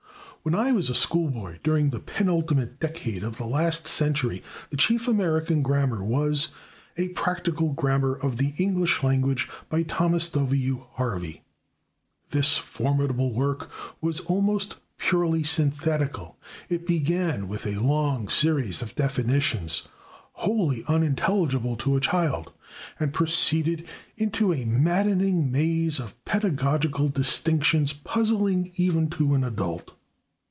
When I was a school boy, during the penultimate decade of the last century, the chief American grammar was "A Practical Grammar of the English Language," by Thomas W. Harvey. This formidable work was almost purely synthetical: it began with a long series of definitions, wholly unintelligible to a child, and proceeded into a maddening maze of pedagogical distinctions, puzzling even to an adult.